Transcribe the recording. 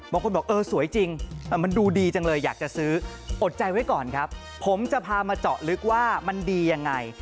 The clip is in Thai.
บอกเออสวยจริงมันดูดีจังเลยอยากจะซื้ออดใจไว้ก่อนครับผมจะพามาเจาะลึกว่ามันดียังไง